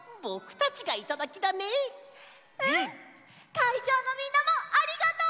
かいじょうのみんなもありがとう！